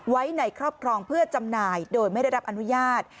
ไว้ในครอบครองเพื่อจำหน่ายโดยไม่ได้รับอนุญาต